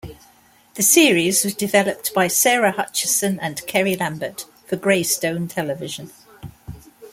The series was developed by Sara Hutchison and Kerry Lambert for Greystone Television.